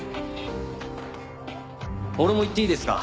俺も行っていいですか？